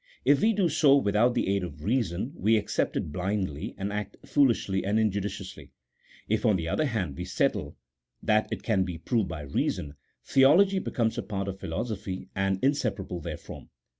If we do so without the aid of reason, we accept it blindly, and act foolishly and injudiciously ; if, on the other hand, we settle that it can be proved by reason, theology becomes a part of philosophy, and inseparable therefrom.